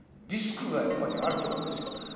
リスクがやっぱりあると思うんですよ。